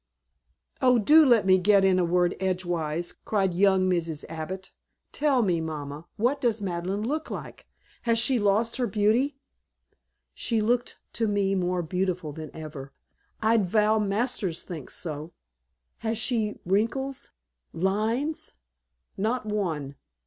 "Oh, do let me get in a word edgeways," cried young Mrs. Abbott. "Tell me, Mamma what does Madeleine look like? Has she lost her beauty?" "She looked to me more beautiful than ever. I'd vow Masters thinks so." "Has she wrinkles? Lines?" "Not one.